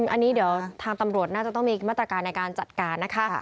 อันนี้เดี๋ยวทางตำรวจน่าจะต้องมีมาตรการในการจัดการนะคะ